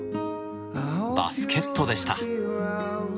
バスケットでした。